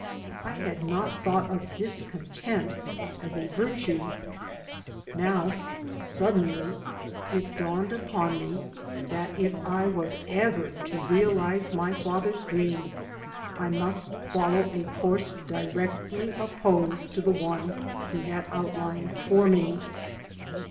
I had not thought of discontent as a virtue. Now suddenly it dawned upon me that if I was ever to reaUze my father's dream I must follow a course directly opposed to the one he had outlined for me.